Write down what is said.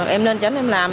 em lên chẳng em làm